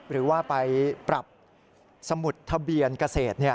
หรือว่าไปปรับสมุดทะเบียนเกษตร